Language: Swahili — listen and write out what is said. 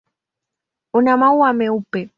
Una maua meupe.